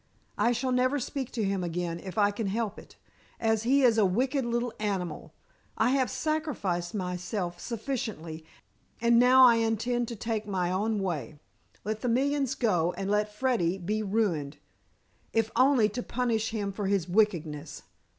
I shall never speak to him again if I can help it, as he is a wicked little animal. I have sacrificed myself sufficiently, and now I intend to take my own way. Let the millions go, and let Freddy be ruined, if only to punish him for his wickedness."